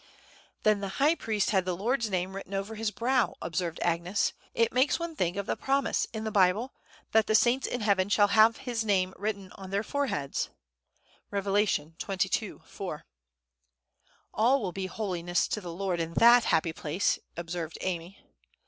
'" "Then the high priest had the Lord's Name written over his brow," observed Agnes. "It makes one think of the promise in the Bible, that saints in heaven shall have His Name written on their foreheads." (Rev. xxii. 4.) "All will be 'Holiness to the Lord' in that happy place!" observed Amy.